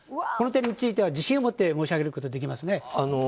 この点については自信を持って申し上げることができます。